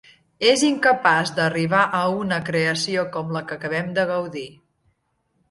...és incapaç d'arribar a una creació com la que acabem de gaudir